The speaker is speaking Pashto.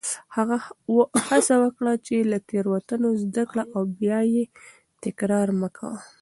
هڅه وکړه چې له تېروتنو زده کړه او بیا یې تکرار مه کوه.